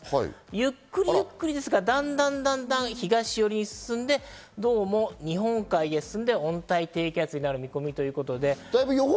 ゆっくりですがだんだん東寄りに進んで日本海に進んで温帯低気圧になる見込みということで。